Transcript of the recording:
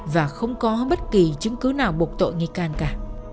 và không có bất kỳ chứng cứ nào bục tội nghi can cả